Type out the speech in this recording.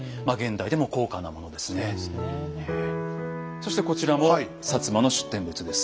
そしてこちらも摩の出展物です。